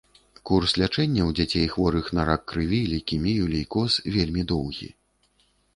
Курс лячэння ў дзяцей, хворых на рак крыві, лейкемію, лейкоз, вельмі доўгі.